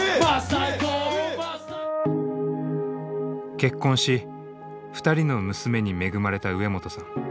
結婚し２人の娘に恵まれた植本さん。